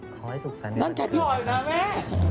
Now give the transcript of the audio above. ขอให้สุขศึกษาภัยของพี่ค่ะนั่นแก้ดหน่อยนะแม่